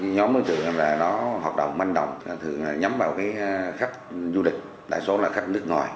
nhóm đối tượng làm ra đó hoạt động manh động thường nhắm vào khách du lịch đại số là khách nước ngoài